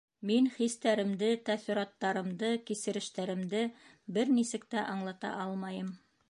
Мин хистәремде, тәьҫораттарымды, кисерештәремде бер нисек тә аңлата алмайым...